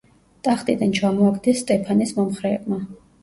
ტახტიდან ჩამოაგდეს სტეფანეს მომხრეებმა.